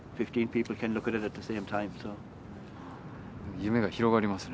夢が広がりますね。